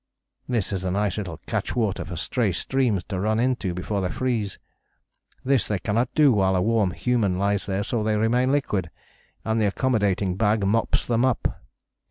This is a nice little catchwater for stray streams to run into before they freeze. This they cannot do while a warm human lies there, so they remain liquid and the accommodating bag mops them up.